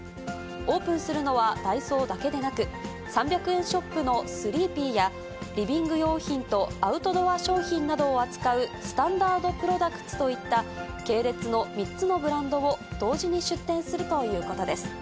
オープンするのはダイソーだけでなく、３００円ショップのスリーピーやリビング用品とアウトドア商品などを扱うスタンダードプロダクツといった系列の３つのブランドを同時に出店するということです。